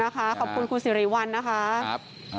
นะคะขอบคุณครูสิริวัลนะคะ